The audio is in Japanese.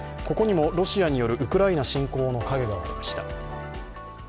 ここにもロシアによるウクライナ侵攻の影がありました。